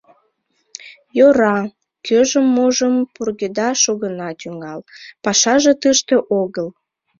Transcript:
— Йӧра, кӧжым-можым пургедаш огына тӱҥал, пашаже тыште огыл.